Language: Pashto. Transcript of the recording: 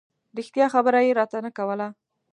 رښتیا خبره یې راته نه کوله.